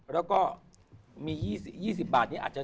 แล้วก็มี๒๐บาท